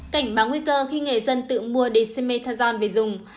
cảnh báng nguy cơ khi nghề dân tự mua dexamethasone về dùng